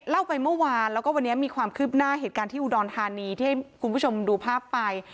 เล่าไปเมื่อวานแล้วก็วันนี้มีความคืบหน้าเหตุการณ์ที่อุดรธานีที่ให้คุณผู้ชมดูภาพไป